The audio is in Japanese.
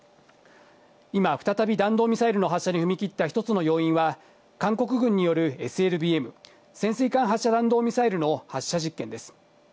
今、再び弾道ミサイルの発射に踏み切った一つの要因は、韓国軍によるＳＬＢＭ・潜水艦発射弾道ミサイルの発射実験です。